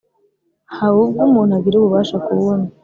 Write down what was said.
haba ubwo umuntu agira ububasha ku wundi